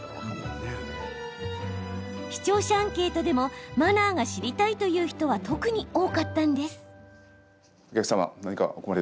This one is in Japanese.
視聴者アンケートでもマナーが知りたいという人は特に多かったんです。